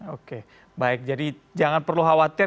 oke baik jadi jangan perlu khawatir